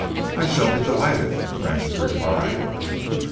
"I shall be delighted," Francis replied.